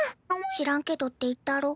知らんけどって言ったろ。